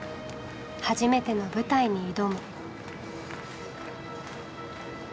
初めての舞台に挑む。